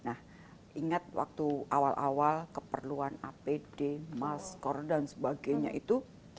nah ingat waktu awal awal keperluan apd masker dan sebagainya itu